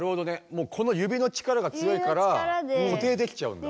もうこの指の力が強いから固定できちゃうんだ。